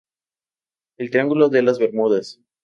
El Triángulo de las Bermudas.